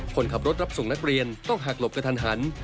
คนขับรถรับส่งนักเรียนต้องหักหลบกระทันหัน